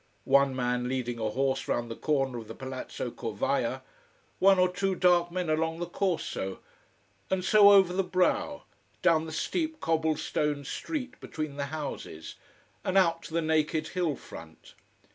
One man leading a horse round the corner of the Palazzo Corvaia. One or two dark men along the Corso. And so over the brow, down the steep cobble stone street between the houses, and out to the naked hill front.